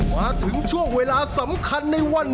มาถึงช่วงเวลาสำคัญในวันนี้